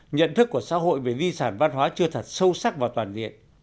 nhận thức của xã hội về di sản văn hóa chưa thật sâu sắc và toàn diện